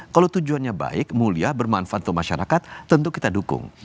kalau tujuannya baik mulia bermanfaat untuk masyarakat tentu kita dukung